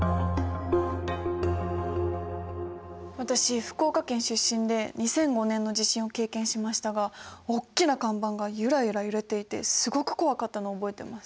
私福岡県出身で２００５年の地震を経験しましたがおっきな看板がゆらゆら揺れていてすごく怖かったのを覚えてます。